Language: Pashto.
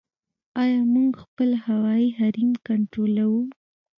آیا موږ خپل هوایي حریم کنټرولوو؟